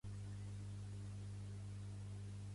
Les cançons japoneses es poden traduir i cantar en català?